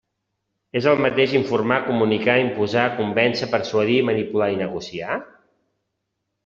És el mateix informar, comunicar, imposar, convèncer, persuadir, manipular i negociar?